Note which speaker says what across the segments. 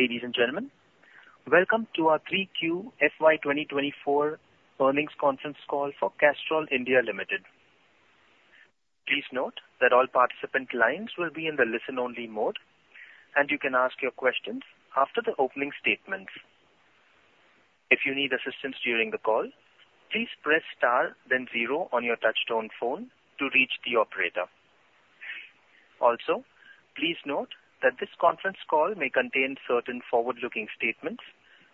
Speaker 1: Ladies and gentlemen, welcome to our 3Q FY 2024 earnings conference call for Castrol India Limited. Please note that all participant lines will be in the listen-only mode, and you can ask your questions after the opening statements. If you need assistance during the call, please press star then zero on your touch-tone phone to reach the operator. Also, please note that this conference call may contain certain forward-looking statements,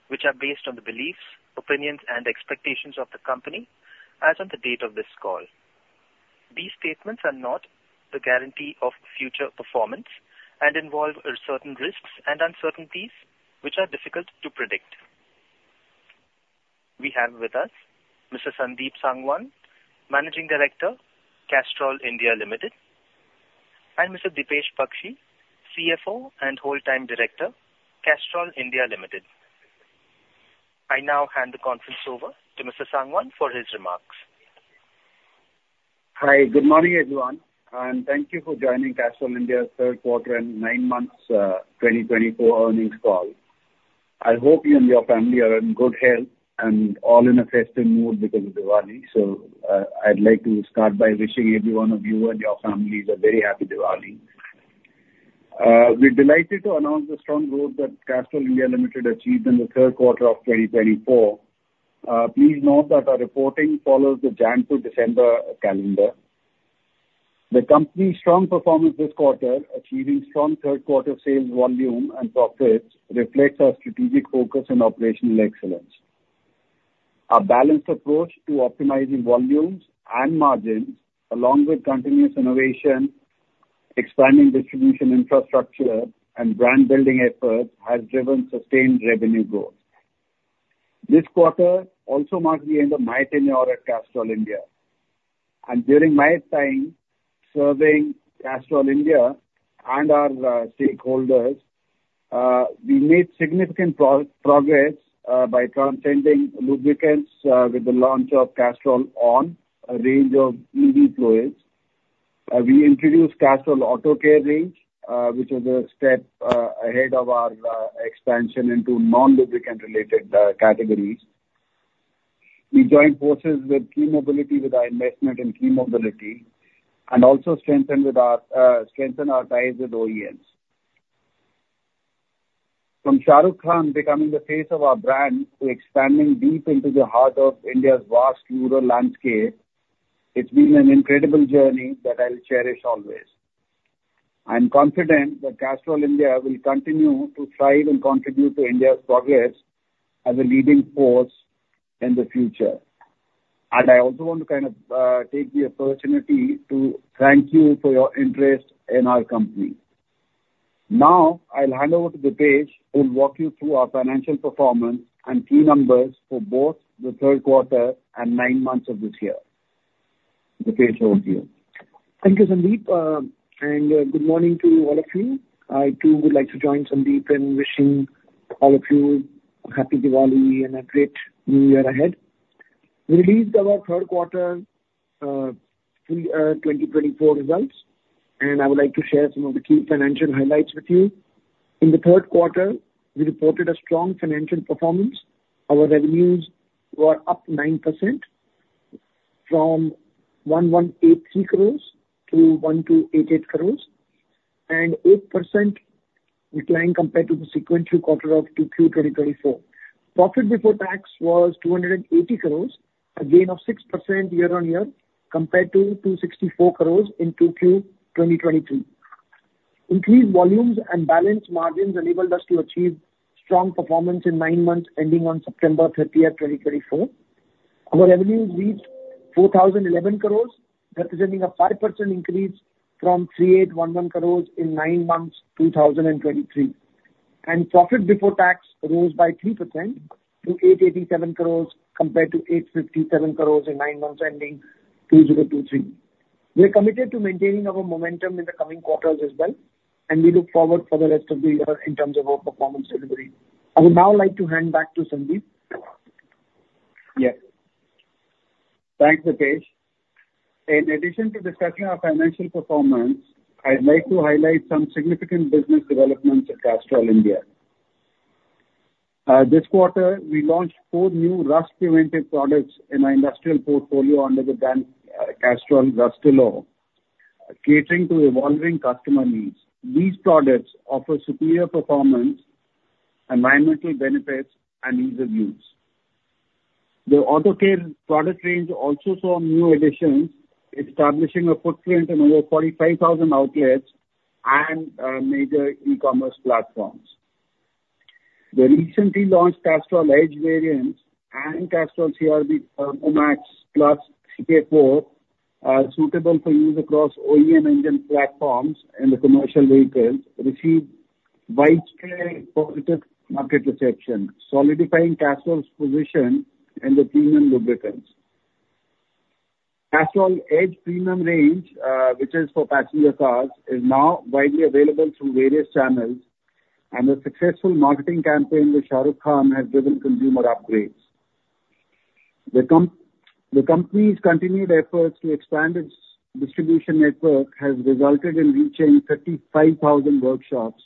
Speaker 1: which are based on the beliefs, opinions, and expectations of the company as on the date of this call. These statements are not the guarantee of future performance and involve certain risks and uncertainties which are difficult to predict. We have with us Mr. Sandeep Sangwan, Managing Director, Castrol India Limited, and Mr. Deepesh Baxi, CFO and Whole Time Director, Castrol India Limited. I now hand the conference over to Mr. Sangwan for his remarks.
Speaker 2: Hi, good morning, everyone, and thank you for joining Castrol India's third quarter and nine months, 2024 earnings call. I hope you and your family are in good health and all in a festive mood because of Diwali. So, I'd like to start by wishing every one of you and your families a very happy Diwali. We're delighted to announce the strong growth that Castrol India Limited achieved in the third quarter of 2024. Please note that our reporting follows the January-December calendar. The company's strong performance this quarter, achieving strong third quarter sales volume and profits, reflects our strategic focus on operational excellence. Our balanced approach to optimizing volumes and margins, along with continuous innovation, expanding distribution infrastructure, and brand-building efforts, has driven sustained revenue growth. This quarter also marks the end of my tenure at Castrol India, and during my time serving Castrol India and our stakeholders, we made significant progress by transcending lubricants with the launch of Castrol ON, a range of EV fluids. We introduced Castrol AutoCare range, which is a step ahead of our expansion into non-lubricant related categories. We joined forces with Ki mobility with our investment in Ki mobility and also strengthened our ties with OEMs. From Shah Rukh Khan becoming the face of our brand to expanding deep into the heart of India's vast rural landscape, it's been an incredible journey that I'll cherish always. I'm confident that Castrol India will continue to thrive and contribute to India's progress as a leading force in the future. And I also want to kind of take the opportunity to thank you for your interest in our company. Now, I'll hand over to Deepesh, who'll walk you through our financial performance and key numbers for both the third quarter and nine months of this year. Deepesh, over to you.
Speaker 3: Thank you, Sandeep, and good morning to all of you. I, too, would like to join Sandeep in wishing all of you a happy Diwali and a great new year ahead. We released our third quarter full year 2024 results, and I would like to share some of the key financial highlights with you. In the third quarter, we reported a strong financial performance. Our revenues were up 9% from 1,183 crores to 1,288 crores, and 8% decline compared to the sequential quarter of 2Q 2024. Profit before tax was 280 crores, a gain of 6% year-on-year, compared to 264 crores in 2Q 2023. Increased volumes and balanced margins enabled us to achieve strong performance in nine months ending on September 30th, 2024. Our revenues reached 4,011 crores, representing a 5% increase from 3,811 crores in nine months, 2023, and profit before tax rose by 3% to 887 crores, compared to 857 crores in nine months ending 2023. We are committed to maintaining our momentum in the coming quarters as well, and we look forward for the rest of the year in terms of our performance delivery. I would now like to hand back to Sandeep.
Speaker 2: Yes. Thanks, Deepesh. In addition to discussing our financial performance, I'd like to highlight some significant business developments at Castrol India. This quarter, we launched four new rust preventive products in our industrial portfolio under the brand, Castrol Rustilo, catering to evolving customer needs. These products offer superior performance, environmental benefits, and ease of use. The AutoCare product range also saw new additions, establishing a footprint in over 45,000 outlets and major e-commerce platforms. The recently launched Castrol EDGE variants and Castrol CRB Turbomax Plus CK-4 are suitable for use across OEM engine platforms in the commercial vehicles and received widespread positive market reception, solidifying Castrol's position in the premium lubricants. Castrol EDGE premium range, which is for passenger cars, is now widely available through various channels, and the successful marketing campaign with Shah Rukh Khan has driven consumer upgrades. The company's continued efforts to expand its distribution network has resulted in reaching 35,000 workshops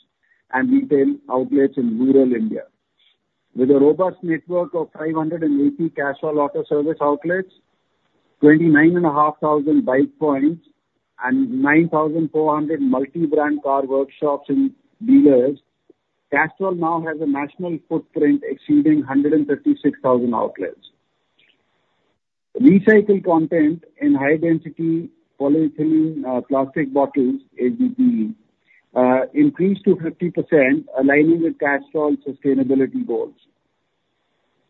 Speaker 2: and retail outlets in rural India. With a robust network of 580 Castrol Auto Service outlets, 29,500 bike points, and 9,400 multi-brand car workshops and dealers, Castrol now has a national footprint exceeding 136,000 outlets. Recycled content in high density polyethylene, plastic bottles, HDPE, increased to 50%, aligning with Castrol sustainability goals.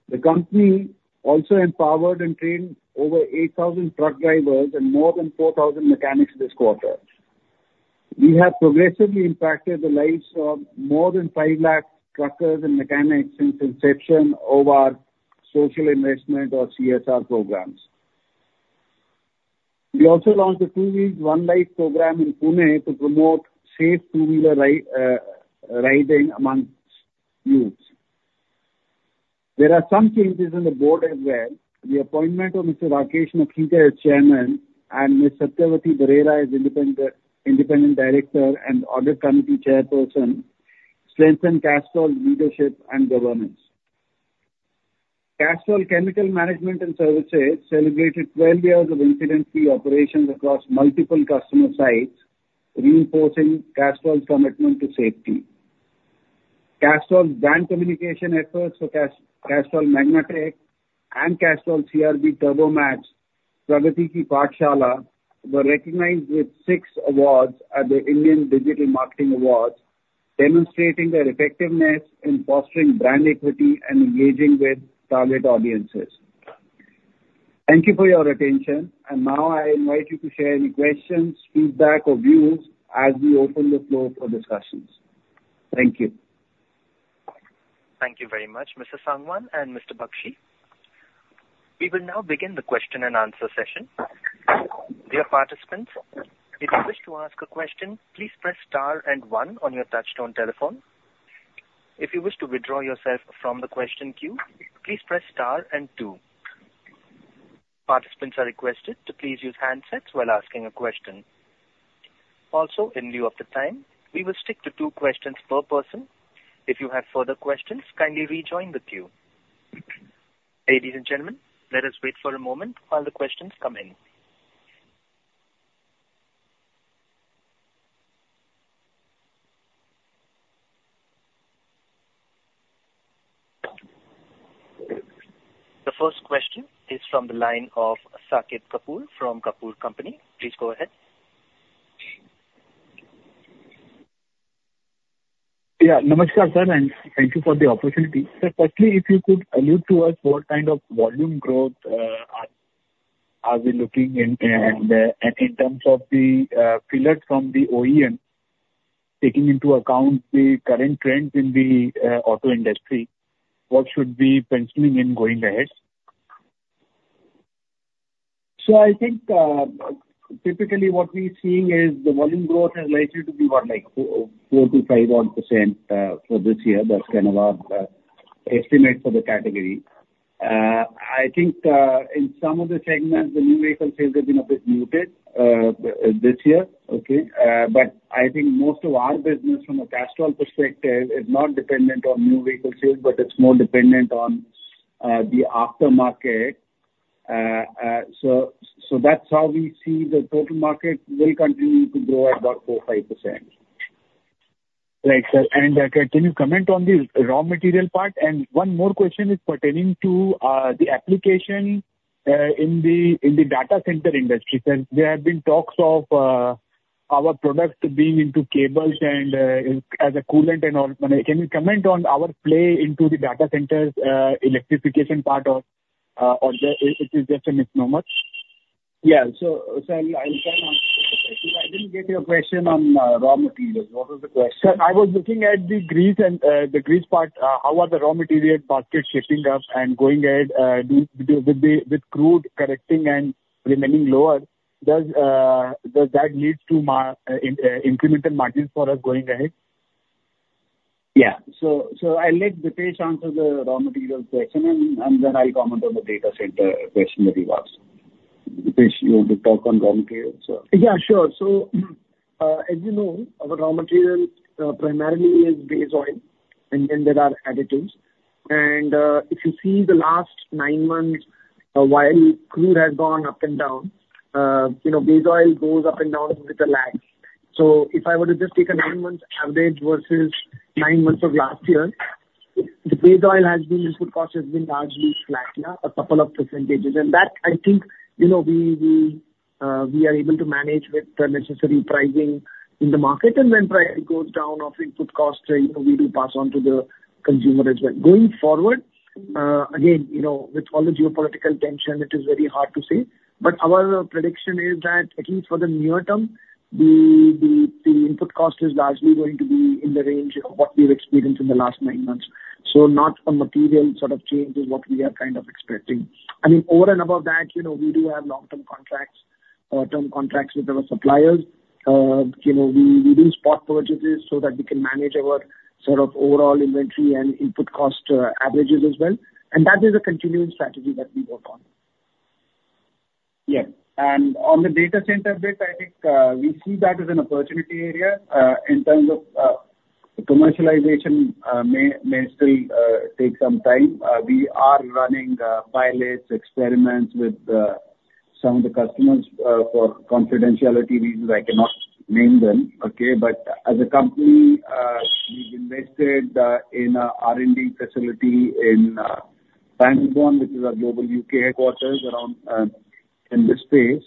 Speaker 2: The company also empowered and trained over 8,000 truck drivers and more than 4,000 mechanics this quarter. We have progressively impacted the lives of more than five lakh truckers and mechanics since inception of our social investment or CSR programs. We also launched a Two Wheels One Life program in Pune to promote safe two-wheeler riding among youths. There are some changes in the board as well. The appointment of Mr. Rakesh Nath as chairman and Ms. Satyavati Berera as independent director and audit committee chairperson strengthen Castrol's leadership and governance. Castrol Chemical Management and Services celebrated 12 years of incident-free operations across multiple customer sites, reinforcing Castrol's commitment to safety. Castrol's brand communication efforts for Castrol Magnatec and Castrol CRB Turbomax Pragati Ki Paathshala were recognized with six awards at the Indian Digital Marketing Awards, demonstrating their effectiveness in fostering brand equity and engaging with target audiences. Thank you for your attention, and now I invite you to share any questions, feedback, or views as we open the floor for discussions. Thank you.
Speaker 1: Thank you very much, Mr. Sangwan and Mr. Baxi. We will now begin the question and answer session. Dear participants, if you wish to ask a question, please press star and one on your touchtone telephone. If you wish to withdraw yourself from the question queue, please press star and two. Participants are requested to please use handsets while asking a question. Also, in lieu of the time, we will stick to two questions per person. If you have further questions, kindly rejoin the queue. Ladies and gentlemen, let us wait for a moment while the questions come in. The first question is from the line of Saket Kapoor, from Kapoor & Company. Please go ahead.
Speaker 4: Yeah. Namaskar, sir, and thank you for the opportunity. Sir, firstly, if you could allude to us what kind of volume growth are we looking in, and in terms of the fillers from the OEM, taking into account the current trends in the auto industry, what should we penciling in going ahead?
Speaker 2: So I think, typically what we're seeing is the volume growth is likely to be about, like, 4-5 odd %, for this year. That's kind of our estimate for the category. I think, in some of the segments, the new vehicle sales have been a bit muted, this year, okay? But I think most of our business from a Castrol perspective is not dependent on new vehicle sales, but it's more dependent on the aftermarket. So that's how we see the total market will continue to grow at about 4%-5%.
Speaker 4: Right, sir. And, can you comment on the raw material part? And one more question is pertaining to the application in the data center industry. So there have been talks of our products being into cables and as a coolant and all. Can you comment on our play into the data centers electrification part or, or the- it is just a misnomer?
Speaker 2: Yeah. So, I'll try and answer the question. I didn't get your question on raw materials. What was the question?
Speaker 4: Sir, I was looking at the grease and the grease part. How are the raw material markets shifting up and going ahead, with crude correcting and remaining lower, does that lead to incremental margins for us going ahead?
Speaker 2: Yeah. So I'll let Deeepesh answer the raw materials question, and then I'll comment on the data center question that he asked. Deepesh, you want to talk on raw materials?
Speaker 3: Yeah, sure. So, as you know, our raw material primarily is base oil, and then there are additives. And, if you see the last nine months, while crude has gone up and down, you know, base oil goes up and down with a lag. So if I were to just take a nine-month average versus nine months of last year, the base oil input cost has been largely flat, yeah, a couple of %. And that, I think, you know, we are able to manage with the necessary pricing in the market. And when it goes down, our input cost, you know, we will pass on to the consumer as well. Going forward, again, you know, with all the geopolitical tension, it is very hard to say, but our prediction is that at least for the near term, the input cost is largely going to be in the range of what we've experienced in the last nine months. So not a material sort of change is what we are kind of expecting. I mean, over and above that, you know, we do have long-term contracts.... term contracts with our suppliers. You know, we do spot purchases so that we can manage our sort of overall inventory and input cost averages as well, and that is a continuing strategy that we work on.
Speaker 2: Yeah, and on the data center bit, I think we see that as an opportunity area. In terms of the commercialization, may still take some time. We are running pilots, experiments with some of the customers. For confidentiality reasons, I cannot name them, okay? But as a company, we've invested in a R&D facility in Pangbourne, which is our global U.K. headquarters, around in this space,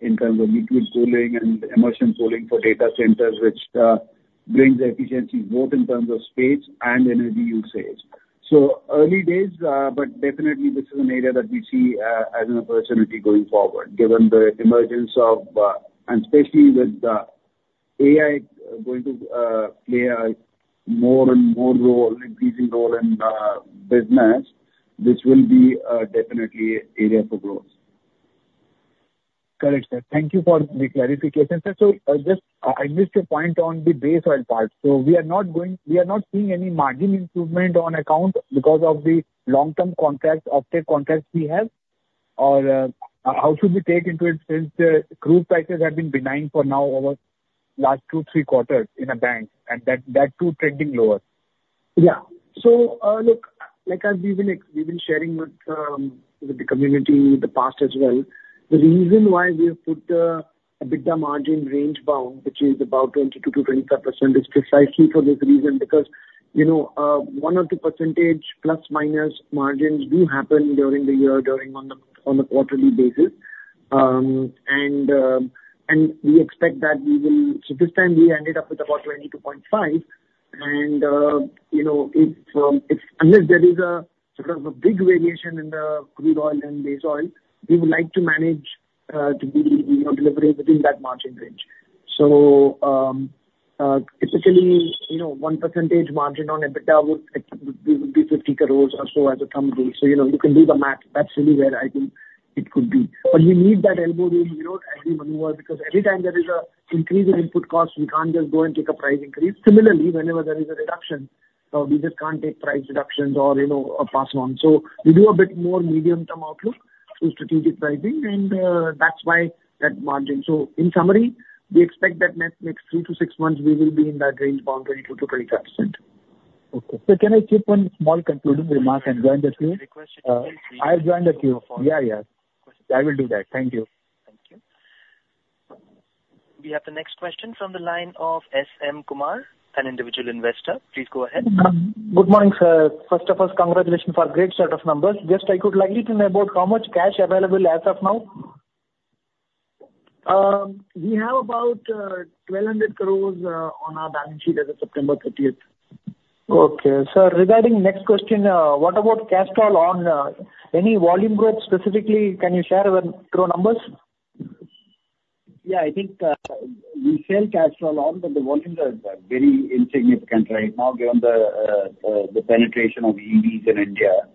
Speaker 2: in terms of liquid cooling and immersion cooling for data centers, which brings efficiency both in terms of space and energy usage. So early days, but definitely this is an area that we see as an opportunity going forward, given the emergence of... And especially with AI going to play a more and more role, increasing role in the business, this will be definitely an area for growth.
Speaker 4: Correct, sir. Thank you for the clarification, sir. So just, I missed your point on the base oil part. So we are not seeing any margin improvement on account because of the long-term contracts, offtake contracts we have? Or, how should we take into it, since the crude prices have been benign for now, over last two, three quarters in a band, and that too trending lower?
Speaker 2: Yeah. So, look, like as we've been sharing with the community in the past as well, the reason why we have put the EBITDA margin range-bound, which is about 22%-25%, is precisely for this reason. Because, you know, 1% or 2% ,± margins do happen during the year, on a quarterly basis. And we expect that we will... So this time, we ended up with about 22.5%, and, you know, unless there is a sort of a big variation in the crude oil and base oil, we would like to manage to be, you know, deliberate within that margin range. So, typically, you know, one percentage margin on EBITDA would be 50 crores or so as a thumb rule. So, you know, you can do the math. That's really where I think it could be. But we need that elbow room, you know, as we maneuver, because every time there is a increase in input costs, we can't just go and take a price increase. Similarly, whenever there is a reduction, we just can't take price reductions or, you know, or pass on. So we do a bit more medium-term outlook through strategic pricing, and, that's why that margin. So in summary, we expect that next three to six months, we will be in that range bound, 22%-25%.
Speaker 4: Okay, so can I keep one small concluding remark and join the queue?
Speaker 1: Request you to join the queue.
Speaker 4: I've joined the queue. Yeah, yeah. I will do that. Thank you.
Speaker 1: Thank you. We have the next question from the line of S.M. Kumar, an individual investor. Please go ahead.
Speaker 5: Good morning, sir. First of all, Congratulations for great set of numbers. Just I could like to know about how much cash available as of now?
Speaker 2: We have about 1,200 crores on our balance sheet as of September thirtieth.
Speaker 5: Okay. Sir, regarding next question, what about Castrol ON, any volume growth specifically, can you share with crude numbers?
Speaker 2: Yeah, I think, we sell Castrol ON, but the volumes are very insignificant right now, given the penetration of EVs in India.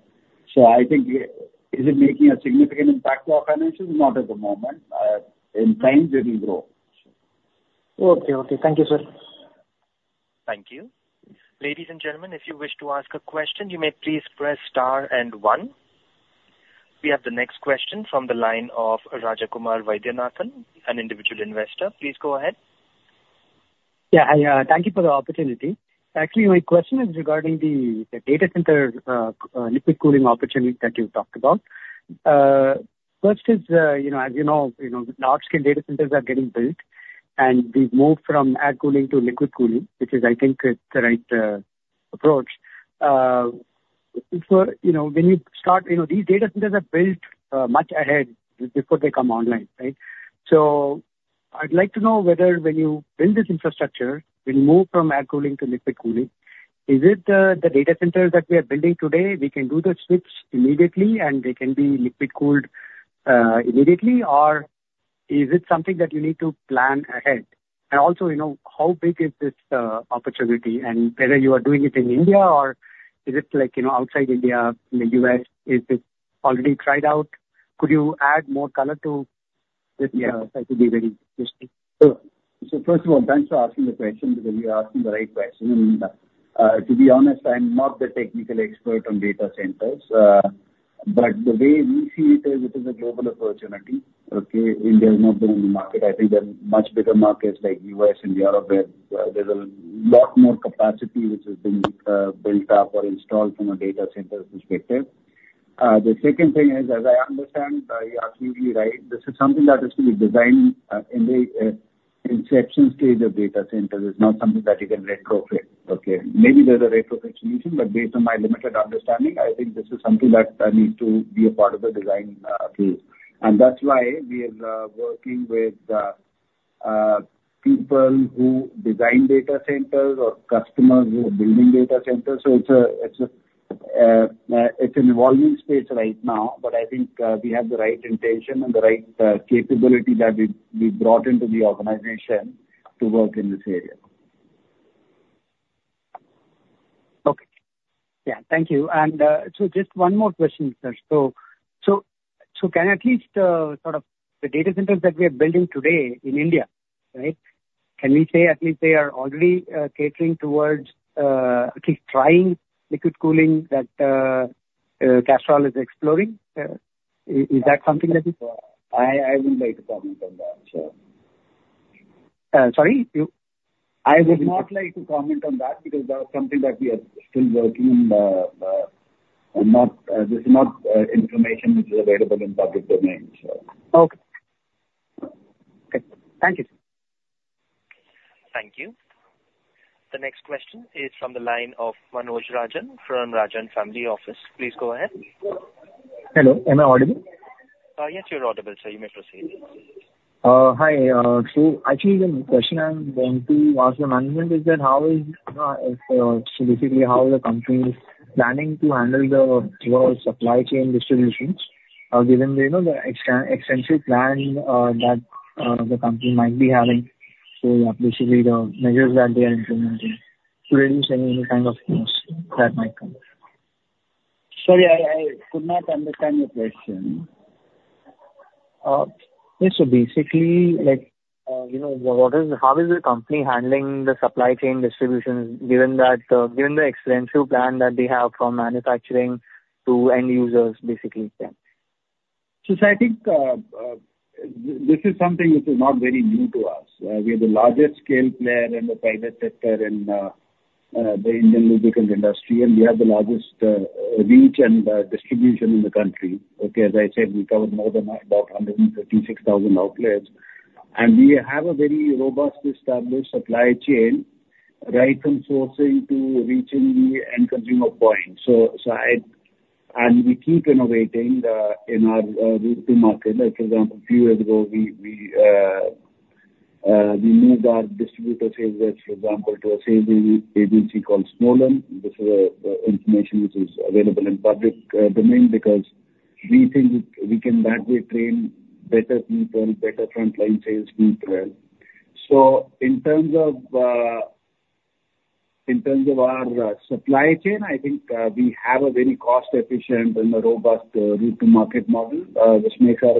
Speaker 2: So I think, is it making a significant impact to our finances? Not at the moment. In time it will grow.
Speaker 4: Okay, okay. Thank you, sir.
Speaker 1: Thank you. Ladies and gentlemen, if you wish to ask a question, you may please press star and one. We have the next question from the line of Rajakumar Vaidyanathan, an individual investor. Please go ahead.
Speaker 6: Yeah, Thank you for the opportunity. Actually, my question is regarding the data center liquid cooling opportunity that you talked about. First is, you know, as you know, you know, large scale data centers are getting built and we've moved from air cooling to liquid cooling, which is, I think, the right approach. So, you know, when you start, you know, these data centers are built much ahead before they come online, right? So I'd like to know whether when you build this infrastructure, we move from air cooling to liquid cooling, is it the data centers that we are building today, we can do the switch immediately and they can be liquid cooled immediately? Or is it something that you need to plan ahead? And also, you know, how big is this opportunity, and whether you are doing it in India or is it like, you know, outside India, in the U.S., is it already tried out? Could you add more color to this? That would be very interesting.
Speaker 2: So, so first of all, thanks for asking the question, because you are asking the right question. And, to be honest, I'm not the technical expert on data centers, but the way we see it is, it is a global opportunity, okay? India is not the only market. I think there are much bigger markets like U.S. and Europe, where, there's a lot more capacity which has been, built up or installed from a data centers perspective. The second thing is, as I understand, you are absolutely right, this is something that has to be designed, in the, inception stage of data centers. It's not something that you can retrofit, okay? Maybe there's a retrofit solution, but based on my limited understanding, I think this is something that, needs to be a part of the design, phase. And that's why we are working with people who design data centers or customers who are building data centers. So it's an evolving space right now, but I think we have the right intention and the right capability that we brought into the organization to work in this area....
Speaker 6: Yeah, thank you. And so just one more question, sir. So can I at least sort of the data centers that we are building today in India, right? Can we say at least they are already catering towards at least trying liquid cooling that Castrol is exploring? Is that something that is-
Speaker 2: I wouldn't like to comment on that, sir.
Speaker 6: Sorry, you?
Speaker 2: I would not like to comment on that, because that's something that we are still working, and this is not information which is available in public domain, so.
Speaker 6: Okay. Thank you, sir.
Speaker 1: Thank you. The next question is from the line of Manoj Rajan from Rajan Family Office. Please go ahead.
Speaker 7: Hello, am I audible?
Speaker 1: Yes, you're audible, sir. You may proceed.
Speaker 7: Hi. So actually, the question I'm going to ask the management is that how is, so basically how the company is planning to handle the, your supply chain distributions, given the, you know, the extensive plan that the company might be having, so basically the measures that they are implementing to reduce any kind of risks that might come?
Speaker 3: Sorry, I could not understand your question.
Speaker 7: Yes, so basically, like, you know, what is, how is the company handling the supply chain distributions, given that, given the extensive plan that they have from manufacturing to end users, basically, yeah.
Speaker 3: So I think, this is something which is not very new to us. We are the largest scale player in the private sector in, the Indian lubricant industry, and we have the largest, reach and, distribution in the country. Okay, as I said, we cover more than about hundred and thirty-six thousand outlets, and we have a very robust established supply chain, right from sourcing to reaching the end consumer point. And we keep innovating, in our, route to market. Like, for example, a few years ago, we moved our distributor sales, for example, to a sales agency called Smollan. This is, information which is available in public domain, because we think we can that way train better people, better frontline sales people. In terms of our supply chain, I think we have a very cost efficient and a robust route to market model, which makes our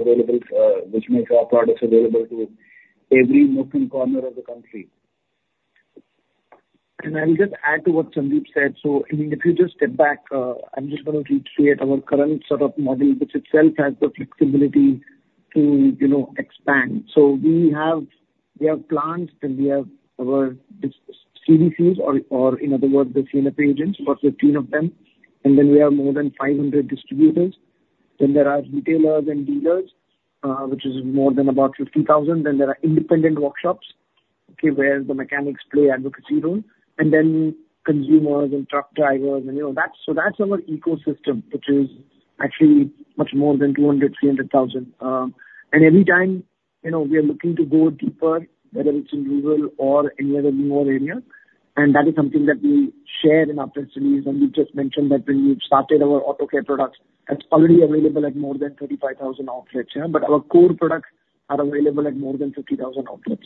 Speaker 3: products available to every nook and corner of the country. And I'll just add to what Sandeep said. So, I mean, if you just step back, I'm just going to reiterate our current sort of model, which itself has the flexibility to, you know, expand. So we have plants, and we have our DCs or, in other words, the senior agents, about 15 of them, and then we have more than 500 distributors. Then there are retailers and dealers, which is more than about 50,000. Then there are independent workshops, okay, where the mechanics play advocacy role, and then consumers and truck drivers and, you know, that's our ecosystem, which is actually much more than 200,000, 300,000. And anytime, you know, we are looking to go deeper, whether it's in rural or anywhere in more area, and that is something that we shared in our press release, and we just mentioned that when we've started our auto care products, that's already available at more than 35,000 outlets. Yeah, but our core products are available at more than 50,000 outlets.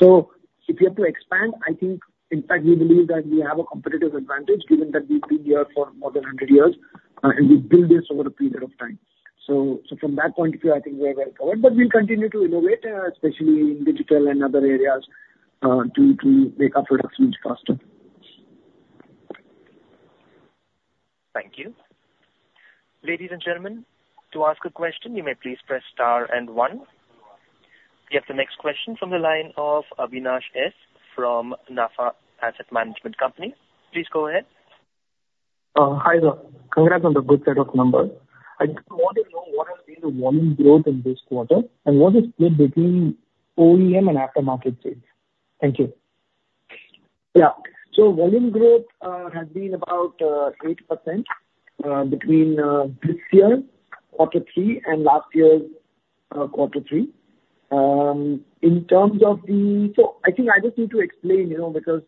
Speaker 3: So if we have to expand, I think, in fact, we believe that we have a competitive advantage, given that we've been here for more than 100 years, and we built this over a period of time. From that point of view, I think we are well covered, but we'll continue to innovate, especially in digital and other areas, to make our products reach faster.
Speaker 1: Thank you. Ladies and gentlemen, to ask a question, you may please press star and one. We have the next question from the line of Abinash S from NAFA Asset Management Company. Please go ahead.
Speaker 8: Hi there. Congrats on the good set of numbers. I just want to know what has been the volume growth in this quarter, and what is split between OEM and aftermarket sales? Thank you.
Speaker 2: Yeah, so volume growth has been about 8% between this year, quarter three, and last year's quarter three. I think I just need to explain, you know, because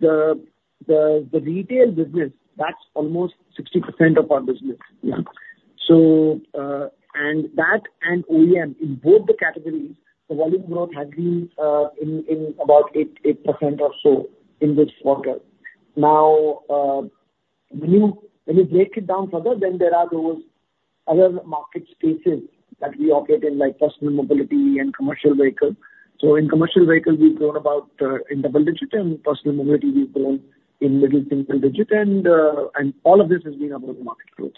Speaker 2: the retail business, that's almost 60% of our business. Yeah, and OEM, in both the categories, the volume growth has been in about 8% or so in this quarter. Now, when you break it down further, then there are those other market spaces that we operate in, like personal mobility and commercial vehicle. In commercial vehicle, we've grown about in double digit, and personal mobility, we've grown in middle single digit, and all of this has been above market growth.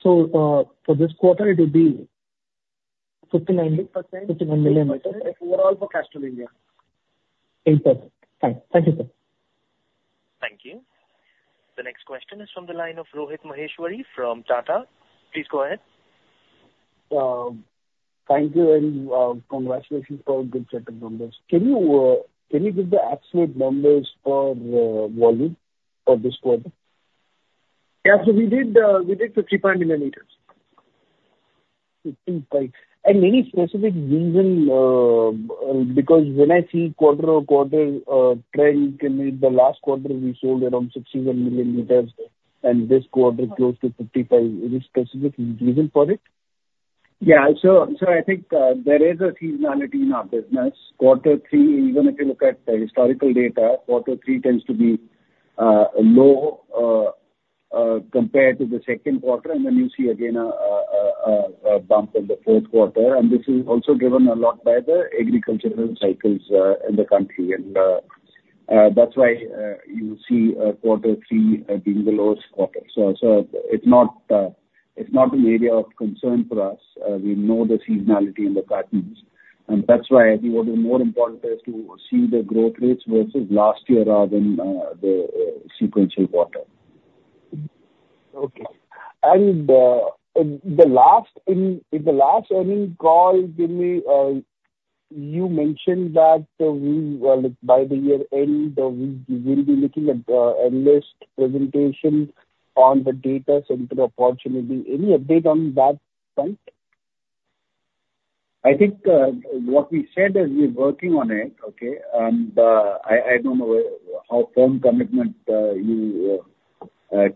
Speaker 8: So, for this quarter it will be?
Speaker 2: 59%.
Speaker 8: 59 million liters.
Speaker 2: Overall, for Castrol India, 8%.
Speaker 8: Thank you, sir.
Speaker 1: Thank you. The next question is from the line of Rohit Maheshwari from Tata. Please go ahead.
Speaker 9: Thank you, and congratulations for a good set of numbers. Can you give the absolute numbers for volume for this quarter?
Speaker 2: Yeah. So we did 55 million liters.
Speaker 9: 55 million liters. And any specific reason, because when I see quarter on quarter trend, can be the last quarter we sold around 61 million liters, and this quarter, close to 55 million liters. Any specific reason for it?
Speaker 2: Yeah, so I think there is a seasonality in our business. Quarter three, even if you look at the historical data, quarter three tends to be low compared to the second quarter, and then you see again a bump in the fourth quarter. And this is also driven a lot by the agricultural cycles in the country. And that's why you see quarter three being the lowest quarter. So it's not an area of concern for us. We know the seasonality in the quarters, and that's why I think what is more important is to see the growth rates versus last year rather than the sequential quarter.
Speaker 9: Okay. And in the last earnings call, you mentioned that, well, by the year end, we'll be looking at analyst presentation on the data center opportunity. Any update on that front?
Speaker 2: I think what we said is we're working on it, okay? I don't know how firm commitment you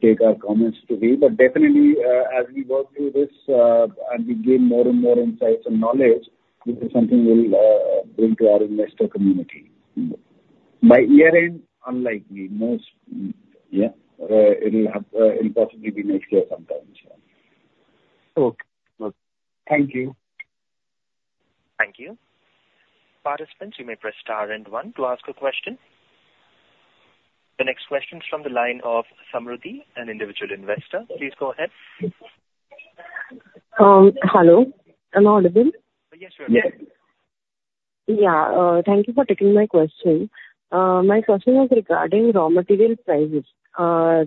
Speaker 2: take our comments to be, but definitely as we work through this and we gain more and more insights and knowledge, this is something we'll bring to our investor community.
Speaker 9: By year-end?
Speaker 2: Unlikely. Most... Yeah. It'll possibly be next year sometime, sure.
Speaker 9: Okay. Thank you.
Speaker 1: Thank you. Participants, you may press star and one to ask a question. The next question is from the line of Samruddhi, an individual investor. Please go ahead. Hello, am I audible? Yes, you are. Yeah. Thank you for taking my question. My question was regarding raw material prices. How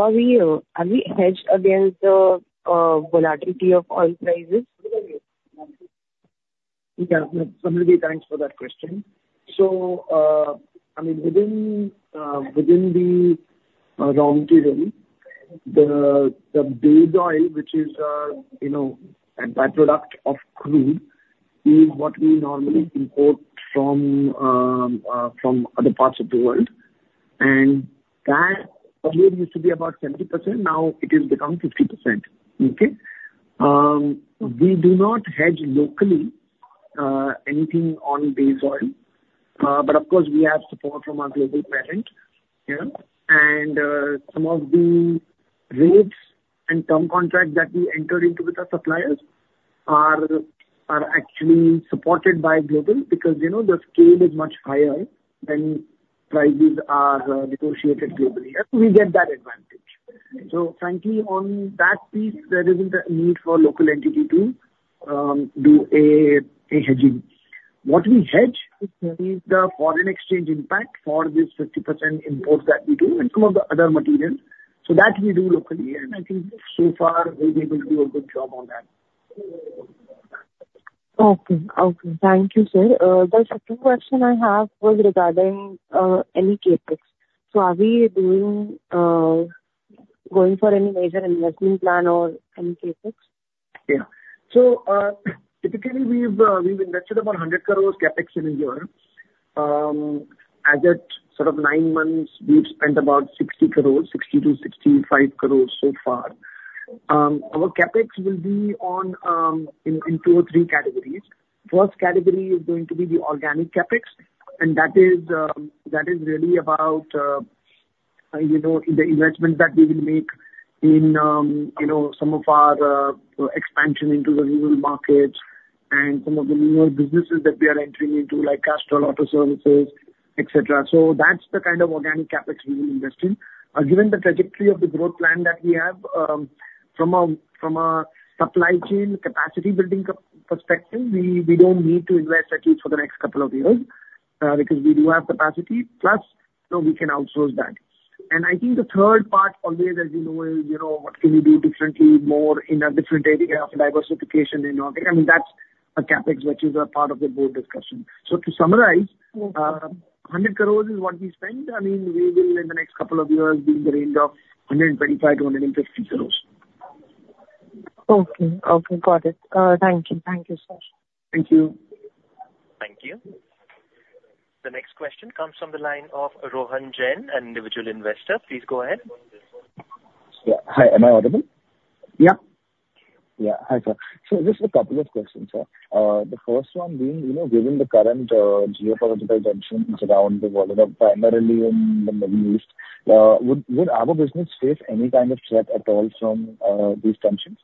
Speaker 1: are we hedged against volatility of oil prices?
Speaker 2: Yeah. Samruddhi, thanks for that question. So, I mean, within the raw material, the base oil, which is, you know, a by-product of crude, is what we normally import from other parts of the world. And that earlier used to be about 70%, now it has become 50%. Okay? We do not hedge locally anything on base oil, but of course we have support from our global parent, yeah. And some of the rates and term contracts that we enter into with our suppliers are actually supported by global, because, you know, the scale is much higher than prices are negotiated globally, and we get that advantage. So frankly, on that piece, there isn't a need for local entity to do hedging. What we hedge is the foreign exchange impact for this 50% import that we do, and some of the other materials, so that we do locally, and I think so far we've been able to do a good job on that. Okay. Okay. Thank you, sir. The second question I have was regarding any CapEx. So are we going for any major investment plan or any CapEx? Yeah. So, typically, we've invested about 100 crores CapEx in a year. As at sort of nine months, we've spent about 60 crores, 60 cores-INR 65 crores so far. Our CapEx will be in two or three categories. First category is going to be the organic CapEx, and that is really about, you know, the investment that we will make in, you know, some of our expansion into the rural markets and some of the newer businesses that we are entering into, like Castrol Auto Services, et cetera. So that's the kind of organic CapEx we will invest in. Given the trajectory of the growth plan that we have, from a supply chain capacity building perspective, we don't need to invest, at least for the next couple of years, because we do have capacity, plus, you know, we can outsource that. And I think the third part always, as you know, is, you know, what can we do differently, more in a different area of diversification and all that. I mean, that's a CapEx, which is a part of the board discussion. So to summarize- Sure. 100 crores is what we spent. I mean, we will, in the next couple of years, be in the range of 125 crores-150 crores. Okay. Okay, got it. Thank you. Thank you, sir. Thank you.
Speaker 1: Thank you. The next question comes from the line of Rohan Jain, an individual investor. Please go ahead.
Speaker 10: Yeah. Hi, am I audible?
Speaker 2: Yeah.
Speaker 10: Yeah. Hi, sir. So just a couple of questions, sir. The first one being, you know, given the current, geopolitical tensions around the world, primarily in the Middle East, would our business face any kind of threat at all from these tensions?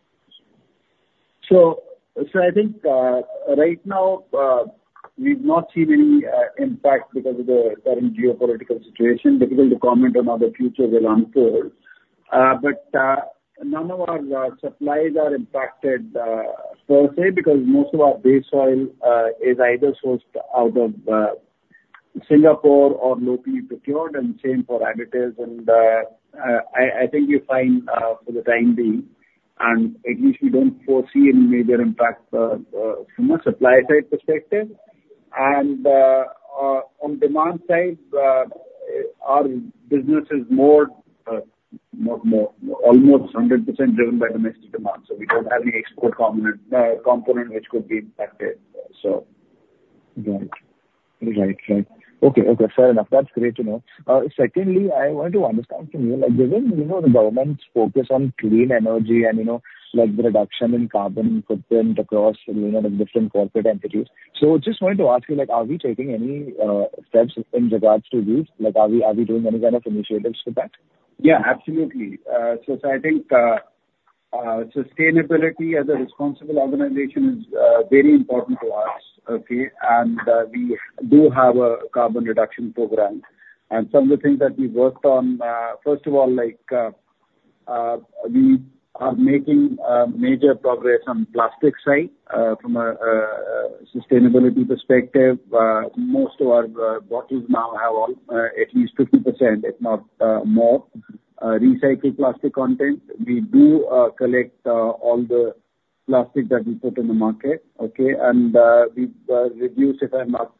Speaker 2: So, I think right now we've not seen any impact because of the current geopolitical situation. Difficult to comment on how the future will unfold. But none of our supplies are impacted per se, because most of our base oil is either sourced out of Singapore or locally procured, and same for additives. And I think you're fine for the time being, and at least we don't foresee any major impact from a supply side perspective. And on demand side our business is almost 100% driven by domestic demand, so we don't have any export component which could be impacted, so....
Speaker 10: Right. Right, right. Okay, okay, fair enough. That's great to know. Secondly, I wanted to understand from you, like, given, you know, the government's focus on clean energy and, you know, like the reduction in carbon footprint across, you know, the different corporate entities. So just wanted to ask you, like, are we taking any steps in regards to this? Like, are we doing any kind of initiatives for that?
Speaker 2: Yeah, absolutely, so I think sustainability as a responsible organization is very important to us, okay, and we do have a carbon reduction program, and some of the things that we worked on, first of all, like, we are making major progress on plastic side. From a sustainability perspective, most of our bottles now have all at least 50%, if not more, recycled plastic content. We do collect all the plastic that we put in the market, okay, and we've reduced, if I'm not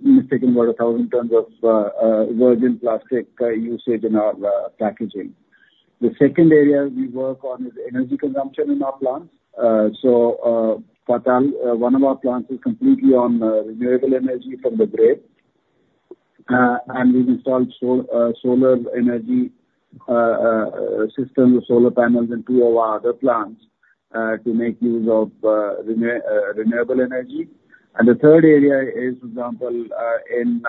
Speaker 2: mistaken, about 1,000 tons of virgin plastic usage in our packaging. The second area we work on is energy consumption in our plants. So, Paharpur, one of our plants, is completely on renewable energy from the grid. And we've installed solar energy systems, solar panels in two of our other plants to make use of renewable energy. And the third area is, for example, in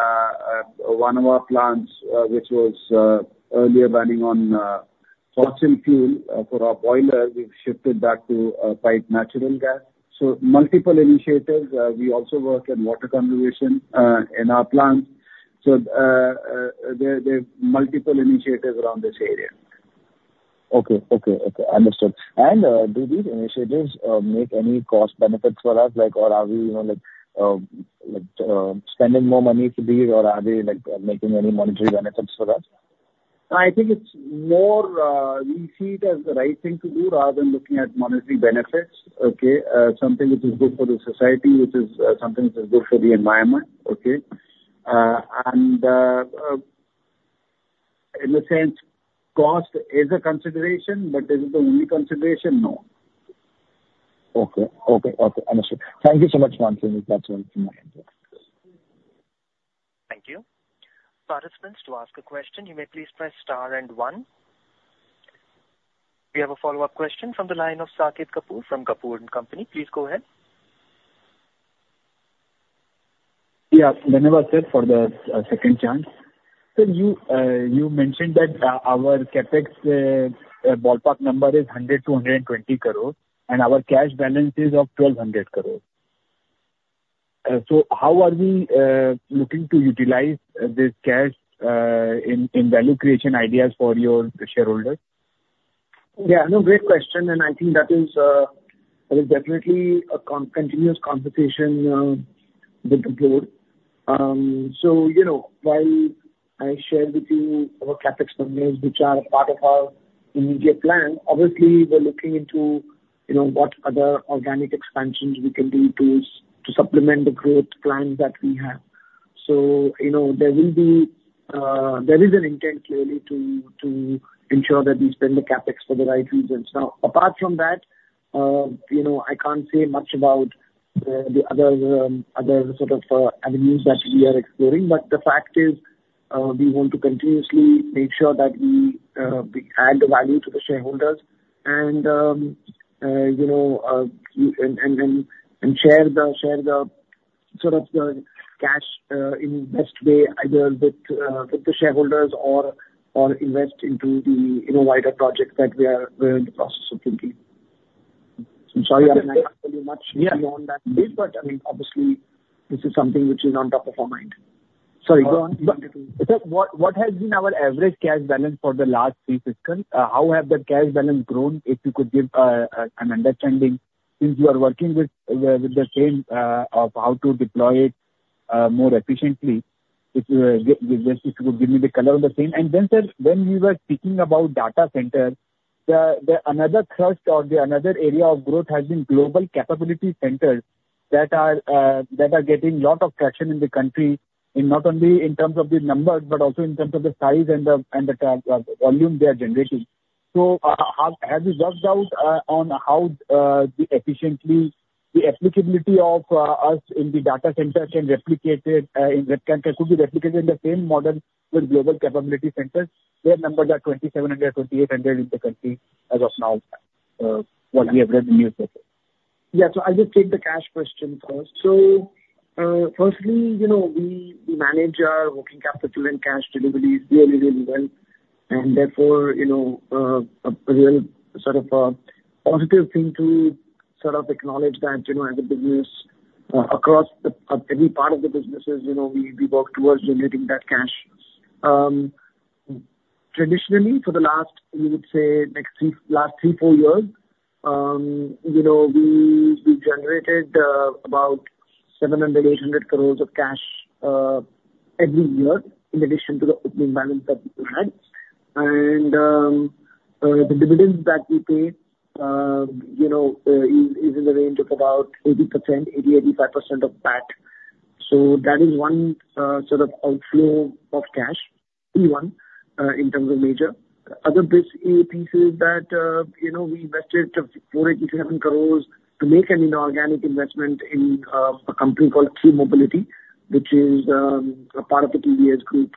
Speaker 2: one of our plants, which was earlier running on fossil fuel for our boilers. We've shifted that to piped natural gas. So multiple initiatives. We also work on water conservation in our plants. So there are multiple initiatives around this area.
Speaker 10: Okay. Okay, okay. Understood. And, do these initiatives make any cost benefits for us? Like, or are we, you know, like, spending more money for these, or are they, like, making any monetary benefits for us?
Speaker 2: I think it's more, we see it as the right thing to do rather than looking at monetary benefits, okay? Something which is good for the society, something which is good for the environment, okay? And, in a sense, cost is a consideration, but is it the only consideration? No.
Speaker 10: Okay. Understood. Thank you so much once again, that's all from my end.
Speaker 1: Thank you. Participants, to ask a question, you may please press star and one. We have a follow-up question from the line of Saket Kapoor from Kapoor & Company. Please go ahead.
Speaker 4: Yeah. Thank you, sir, for the second chance. So you mentioned that our CapEx ballpark number is 100-120 crore, and our cash balance is of 1,200 crore. So how are we looking to utilize this cash in value creation ideas for your shareholders?
Speaker 2: Yeah, no, great question, and I think that is that is definitely a continuous conversation with the board. So, you know, while I shared with you our CapEx numbers, which are a part of our immediate plan, obviously, we're looking into, you know, what other organic expansions we can do to supplement the growth plans that we have. So, you know, there will be there is an intent clearly to ensure that we spend the CapEx for the right reasons. Now, apart from that, you know, I can't say much about the other sort of avenues that we are exploring, but the fact is, we want to continuously make sure that we add value to the shareholders and, you know, and share the sort of cash in the best way, either with the shareholders or invest into the, you know, wider projects that we are in the process of thinking. I'm sorry, I can't tell you much.
Speaker 4: Yeah.
Speaker 2: Beyond that, but I mean, obviously, this is something which is on top of our mind.
Speaker 4: Sorry, go on.
Speaker 2: But-
Speaker 4: What has been our average cash balance for the last three fiscal? How has the cash balance grown, if you could give an understanding, since you are working with the same of how to deploy it more efficiently, if you could just give me the color of the same. And then, sir, when we were speaking about data center, the other thrust or the other area of growth has been global capability centers that are getting a lot of traction in the country, in not only in terms of the numbers, but also in terms of the size and the volume they are generating. Have you worked out on how the efficiency, the applicability of use in the data center can replicate it in that could be replicated in the same model with Global Capability Centers, where numbers are 2,700-2,800 in the country as of now, what we have read in the newspaper?
Speaker 2: Yeah, so I'll just take the cash question first. So, firstly, you know, we manage our working capital and cash deliverables really, really well, and therefore, you know, a real sort of positive thing to sort of acknowledge that, you know, as a business, across any part of the businesses, you know, we work towards generating that cash. Traditionally, for the last 3 years-4 years, you know, we generated about 700 crores-800 crores of cash every year, in addition to the opening balance that we had. And, the dividends that we paid, you know, is in the range of about 80%-85% of that. So that is one sort of outflow of cash. One, in terms of major. Other big cap pieces that, you know, we invested 487 crores to make an inorganic investment in a company called ki Mobility, which is a part of the TVS Group.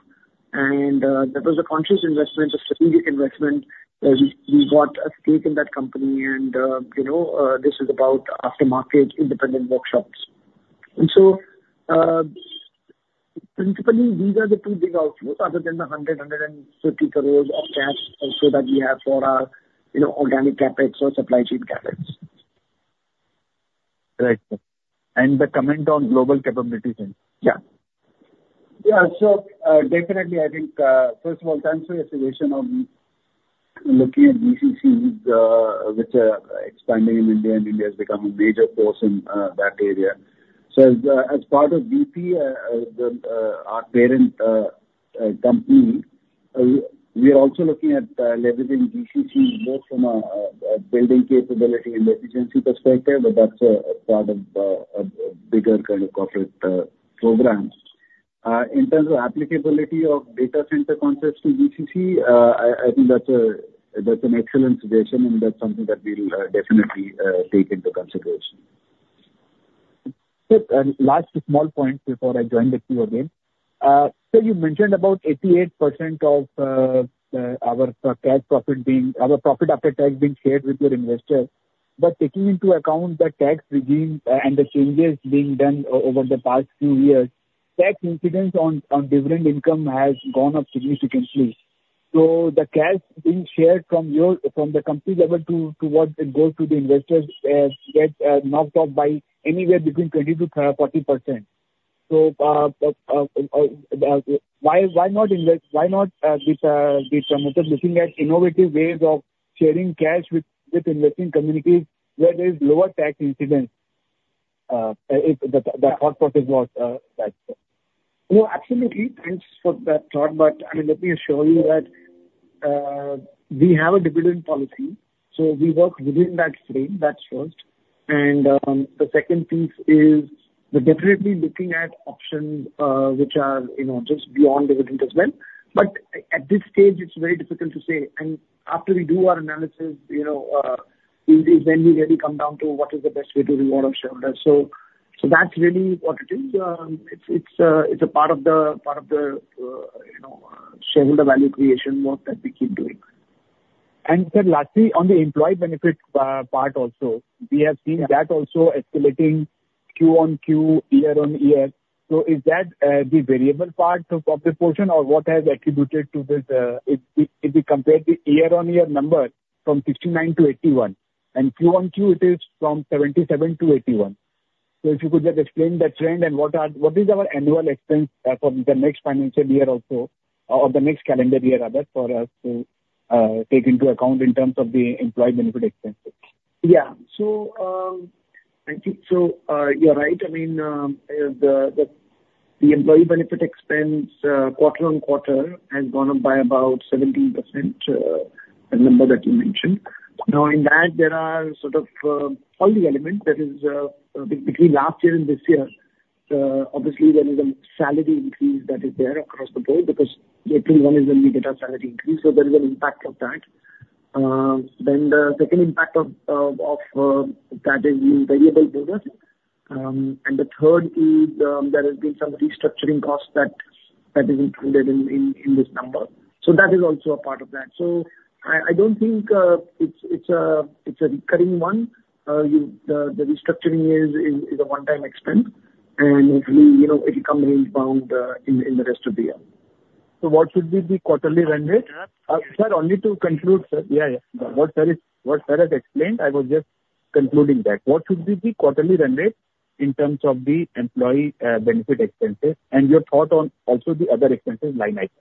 Speaker 2: That was a conscious investment, a strategic investment. We got a stake in that company and, you know, this is about aftermarket independent workshops. So, principally, these are the two big outflows other than the 150 crores of cash also that we have for our, you know, organic CapEx or supply chain CapEx.
Speaker 4: Right. And the comment on global capabilities then?
Speaker 2: Yeah. Yeah, so, definitely I think, first of all, thanks for your suggestion on looking at GCCs, which are expanding in India, and India is becoming a major force in that area. So as part of BP, our parent company, we are also looking at leveraging GCC more from a building capability and efficiency perspective, but that's a part of a bigger kind of corporate programs. In terms of applicability of data center concepts to GCC, I think that's an excellent suggestion, and that's something that we'll definitely take into consideration.
Speaker 4: Sir, and last small point before I join the queue again. So you mentioned about 88% of our cash profit being... Our profit after tax being shared with your investors. But taking into account the tax regime and the changes being done over the past few years, tax incidence on dividend income has gone up significantly. So the cash being shared from the company level to the investors get knocked off by anywhere between 20%-40%. So why not invest, why not the promoters looking at innovative ways of sharing cash with investing communities where there is lower tax incidence? If the thought process was that.
Speaker 2: No, absolutely. Thanks for that thought, but, I mean, let me assure you that we have a dividend policy, so we work within that frame, that's first. And the second piece is we're definitely looking at options, which are, you know, just beyond dividend as well. But at this stage, it's very difficult to say, and after we do our analysis, you know, is when we really come down to what is the best way to reward our shareholders. So that's really what it is. It's a part of the shareholder value creation work that we keep doing.
Speaker 4: Sir, lastly, on the employee benefit part also, we have seen that also escalating Q-on-Q, year-on-year. So is that the variable part of the portion or what has attributed to this? If we compare the year-on-year number from 69-81, and Q-on-Q it is from 77-81. So if you could just explain the trend and what is our annual expense for the next financial year also, or the next calendar year rather, for us to take into account in terms of the employee benefit expenses?
Speaker 2: Yeah. So, I think so, you're right. I mean, the employee benefit expense, quarter on quarter has gone up by about 17%, the number that you mentioned. Now, in that, there are sort of all the elements that is between last year and this year, obviously, there is a salary increase that is there across the board, because April one is when we get our salary increase, so there is an impact of that. Then the second impact of that is in variable bonuses. And the third is, there has been some restructuring costs that is included in this number. So that is also a part of that. So I don't think it's a recurring one. The restructuring is a one-time expense, and it will, you know, come inbound in the rest of the year.
Speaker 4: So what should be the quarterly run rate? Sir, only to conclude, sir. Yeah, yeah. What sir is, what sir has explained, I was just concluding that. What should be the quarterly run rate in terms of the employee benefit expenses, and your thought on also the other expenses line item.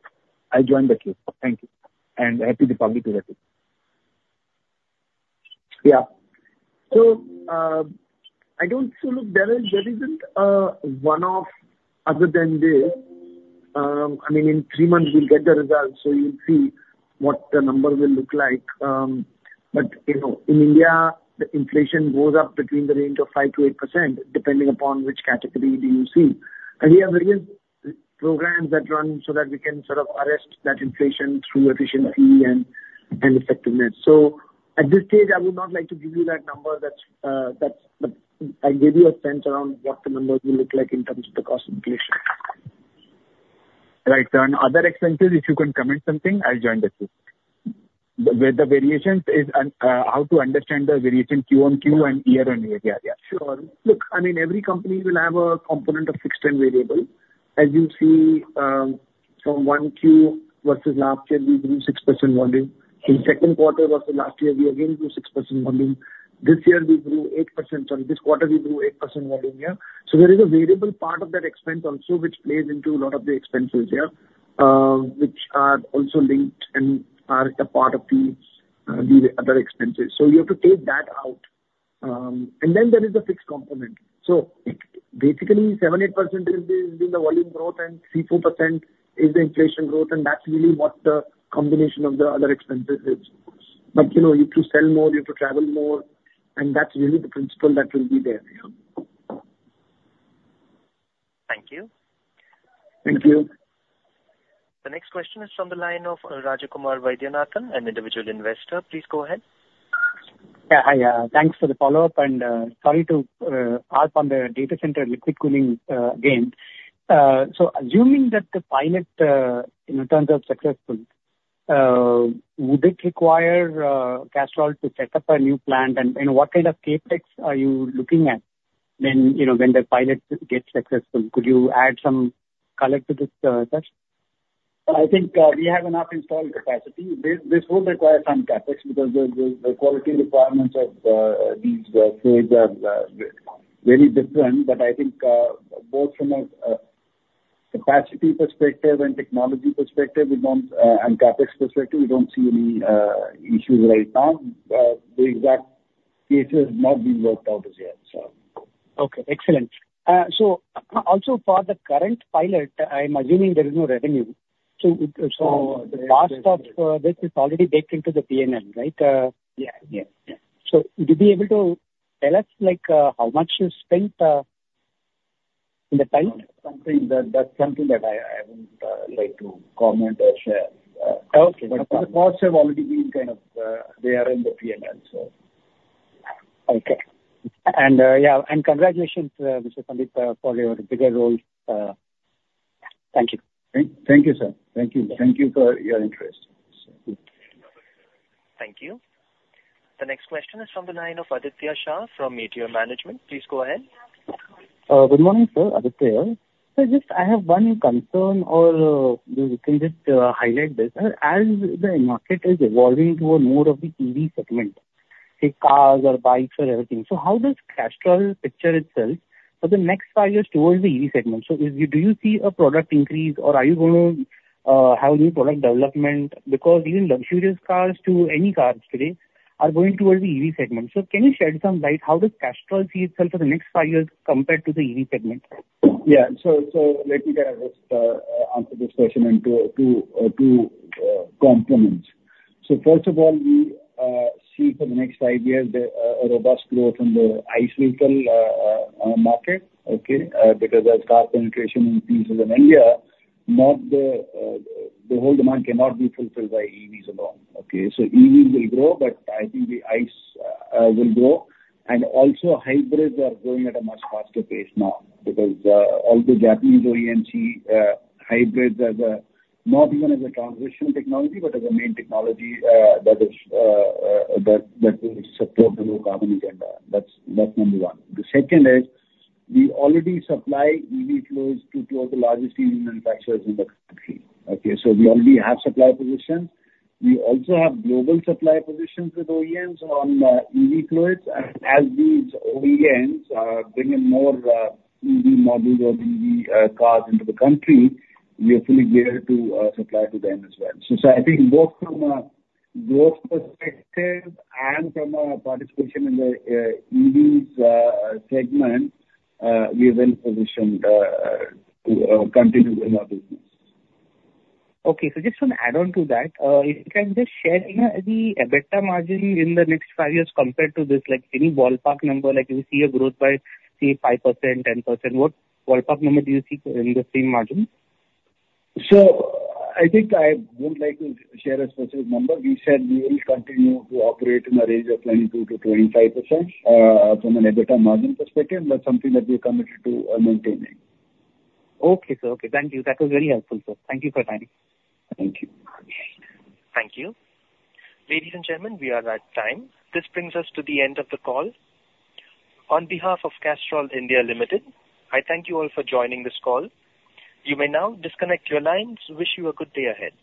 Speaker 4: I'll join the queue. Thank you, and happy Diwali to you too.
Speaker 2: Yeah. So, look, there is, there isn't, one-off other than the, I mean, in three months we'll get the results, so you'll see what the number will look like. But you know, in India, the inflation goes up between the range of 5% to 8%, depending upon which category do you see. And we have various programs that run so that we can sort of arrest that inflation through efficiency and effectiveness. So at this stage, I would not like to give you that number. That's the... I'll give you a sense around what the numbers will look like in terms of the cost of inflation.
Speaker 4: Right. So on other expenses, if you can comment something, I'll join the queue. Where the variations is and how to understand the variation Q-on-Q and year-on-year. Yeah, yeah.
Speaker 2: Sure. Look, I mean, every company will have a component of fixed and variable. As you see, from one Q versus last year, we grew 6% volume. In second quarter versus last year, we again grew 6% volume. This year, we grew 8%, sorry, this quarter we grew 8% volume. So there is a variable part of that expense also, which plays into a lot of the expenses, which are also linked and are the part of the other expenses. So you have to take that out. And then there is a fixed component. So it, basically, 7%-8% is the volume growth and 3%-4% is the inflation growth, and that's really what the combination of the other expenses is. But you know, you have to sell more, you have to travel more, and that's really the principle that will be there, yeah.
Speaker 4: Thank you.
Speaker 2: Thank you.
Speaker 1: The next question is from the line of, Rajakumar Vaidyanathan, an individual investor. Please go ahead.
Speaker 6: Yeah, hi. Thanks for the follow-up, and sorry to harp on the data center liquid cooling again. So assuming that the pilot in terms of successful would it require Castrol to set up a new plant? And what kind of CapEx are you looking at when, you know, when the pilot gets successful? Could you add some color to this test?
Speaker 2: I think we have enough installed capacity. This would require some CapEx, because the quality requirements of these fluids are very different. But I think both from a capacity perspective and technology perspective and CapEx perspective, we don't see any issues right now. The exact cases have not been worked out as yet, so.
Speaker 6: Okay, excellent. So also for the current pilot, I'm assuming there is no revenue. So, so-
Speaker 2: Yes, yes.
Speaker 6: - the cost of this is already baked into the PNL, right?
Speaker 2: Yeah, yeah, yeah.
Speaker 6: So would you be able to tell us, like, how much you spent in the pilot?
Speaker 2: That, that's something that I wouldn't like to comment or share.
Speaker 6: Okay.
Speaker 2: But the costs have already been kind of, they are in the PNL, so.
Speaker 6: Okay. And, yeah, and congratulations, Mr. Sandeep, for your bigger role. Thank you.
Speaker 2: Thank you, sir. Thank you for your interest.
Speaker 1: Thank you. The next question is from the line of Aditya Shah from Meteor Management. Please go ahead.
Speaker 11: Good morning, sir, Aditya here. So just I have one concern, or, you can just, highlight this. As the market is evolving toward more of the EV segment, say, cars or bikes or everything, so how does Castrol picture itself for the next five years towards the EV segment? So do you see a product increase, or are you going to, have new product development? Because even luxurious cars to any cars today are going towards the EV segment. So can you shed some light, how does Castrol see itself for the next five years compared to the EV segment?
Speaker 2: Yeah. So let me just answer this question in two components. So first of all, we see for the next five years a robust growth in the ICE vehicle market, okay? Because as car penetration increases in India, not the whole demand cannot be fulfilled by EVs alone, okay? So EVs will grow, but I think the ICE will grow. And also, hybrids are growing at a much faster pace now, because all the Japanese OEM see hybrids as a, not even as a transitional technology, but as a main technology that will support the low carbon agenda. That's number one. The second is, we already supply EV fluids to two of the largest EV manufacturers in the country, okay? So we already have supply positions. We also have global supply positions with OEMs on EV fluids, and as these OEMs bring in more EV models or EV cars into the country, we are fully geared to supply to them as well. So I think both from a growth perspective and from a participation in the EVs segment, we are well positioned to continue in our business.
Speaker 11: Okay. So just want to add on to that. If you can just share, you know, the EBITDA margin in the next five years compared to this, like, any ballpark number, like you see a growth by, say, 5%, 10%, what ballpark number do you see in the same margin?
Speaker 2: So I think I wouldn't like to share a specific number. We said we will continue to operate in the range of 22%-25% from an EBITDA margin perspective. That's something that we are committed to maintaining.
Speaker 11: Okay, sir. Okay, thank you. That was very helpful, sir. Thank you for your time.
Speaker 2: Thank you.
Speaker 1: Thank you. Ladies and gentlemen, we are at time. This brings us to the end of the call. On behalf of Castrol India Limited, I thank you all for joining this call. You may now disconnect your lines. Wish you a good day ahead.